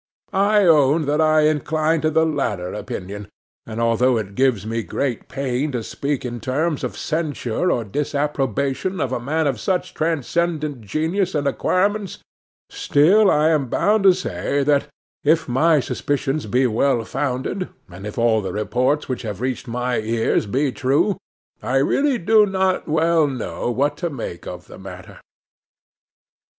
I own that I incline to the latter opinion; and although it gives me great pain to speak in terms of censure or disapprobation of a man of such transcendent genius and acquirements, still I am bound to say that, if my suspicions be well founded, and if all the reports which have reached my ears be true, I really do not well know what to make of the matter.